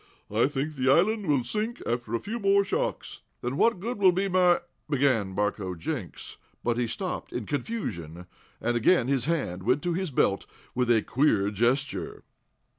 I think the island will sink after a few more shocks." "Then what good will my " began Barcoe Jenks, but he stopped in confusion, and again his hand went to his belt with a queer gesture.